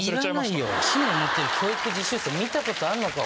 竹刀持ってる教育実習生見たことあんのか？